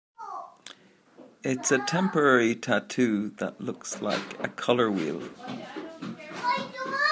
It's a temporary tattoo that looks like... a color wheel?